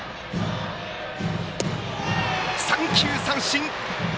三球三振！